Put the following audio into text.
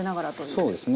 そうですね。